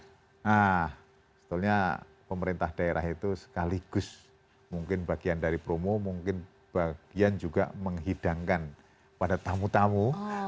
nah sebetulnya pemerintah daerah itu sekaligus mungkin bagian dari promo mungkin bagian juga menghidangkan pada tamu tamu